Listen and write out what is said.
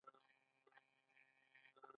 پکورې د مینهوالو خوراک دی